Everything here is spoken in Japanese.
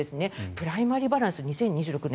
プライマリー・バランス２０２６年